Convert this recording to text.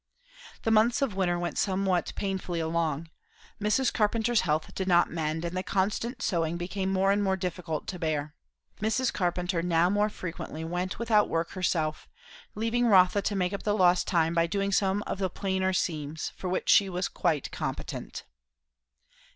The months of winter went somewhat painfully along. Mrs. Carpenter's health did not mend, and the constant sewing became more and more difficult to bear. Mrs. Carpenter now more frequently went out with her work herself; leaving Rotha to make up the lost time by doing some of the plainer seams, for which she was quite competent.